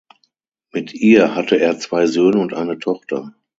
Mit ihr hatte er zwei Söhne und eine Tochter.